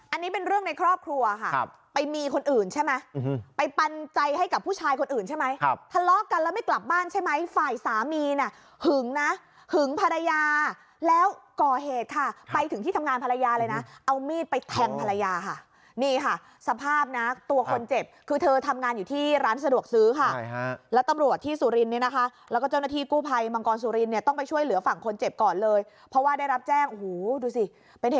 อันนี้เป็นเรื่องในครอบครัวค่ะครับไปมีคนอื่นใช่ไหมไปปันใจให้กับผู้ชายคนอื่นใช่ไหมครับทะเลาะกันแล้วไม่กลับบ้านใช่ไหมฝ่ายสามีเนี่ยหึงนะหึงภรรยาแล้วก่อเหตุค่ะไปถึงที่ทำงานภรรยาเลยนะเอามีดไปแทงภรรยาค่ะนี่ค่ะสภาพนะตัวคนเจ็บคือเธอทำงานอยู่ที่ร้านสะดวกซื้อค่ะใช่ค่ะแล้วตำรวจที่สุรินนี้นะคะแล